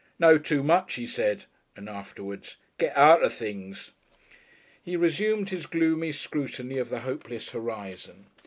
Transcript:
"Know too much," he said; and afterwards, "Get out of things." He resumed his gloomy scrutiny of the hopeless horizon.